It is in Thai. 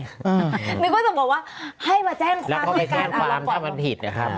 นึกว่าจะบอกว่าให้มาแจ้งความในการแจ้งความว่ามันผิดนะครับ